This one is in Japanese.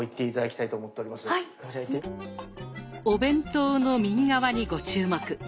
お弁当の右側にご注目。